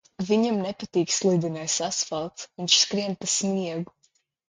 Viņam nepatīk slidenais asfalts, viņš skrien pa sniegu.